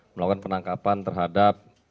melakukan penangkapan terhadap